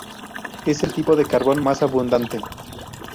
Es el tipo de carbón más abundante.